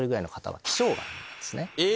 え！